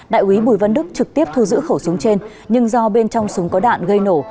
đại quý bùi văn đức trực tiếp thu giữ khẩu súng trên nhưng do bên trong súng có đạn gây nổ